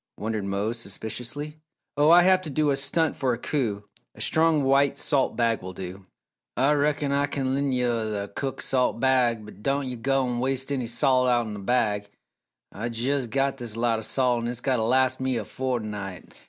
wondered Mose, suspiciously. "Oh, I have to do a stunt for a coup a strong white salt bag will do." "Ah reckon Ah kin len' yo' th' cook salt bag but don' yo' go an' waste enny salt outen the bag. Ah jes' got this lot o' salt an' its gotta las' me a fo'tnight!"